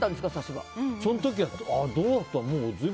その時はどうだったかな。